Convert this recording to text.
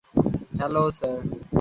Hello, sir!